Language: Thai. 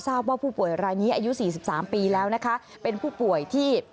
ว่าผู้ป่วยรายนี้อายุ๔๓ปีแล้วนะคะเป็นผู้ป่วยที่